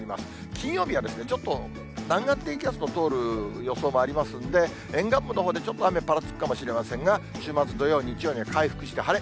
金曜日はちょっと南岸低気圧の通る予想もありますんで、沿岸部のほうでちょっと雨ぱらつくかもしれませんが、週末、土曜、日曜には回復して晴れ。